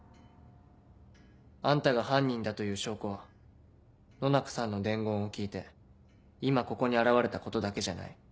あんたが犯人だという証拠は野中さんの伝言を聞いて今ここに現れたことだけじゃない。